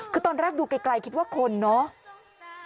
คือตอนแรกดูไกลคิดว่าคนเนาะ